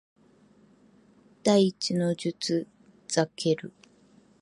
第一の術ザケル